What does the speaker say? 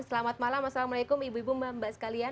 selamat malam assalamualaikum ibu ibu mbak mbak sekalian